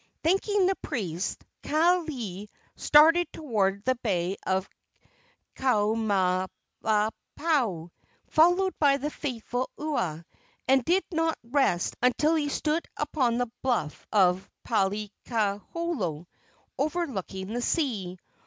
Thanking the priest, Kaaialii started toward the bay of Kaumalapau, followed by the faithful Ua, and did not rest until he stood upon the bluff of Palikaholo, overlooking the sea.